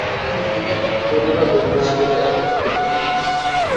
তিনি নিজে তাকে গৌরী বা গৌরীদাসি বলে অবহিত করতেন।